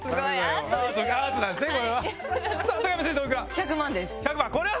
１００万です。